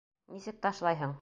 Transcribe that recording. Нисек ташлайһың?